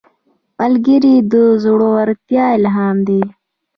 ملګری د زړورتیا الهام دی